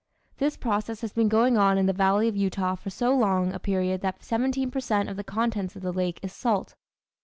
This process has been going on in the valley of Utah for so long a period that 17 per cent. of the contents of the lake is salt.